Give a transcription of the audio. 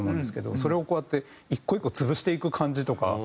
それをこうやって１個１個潰していく感じとか。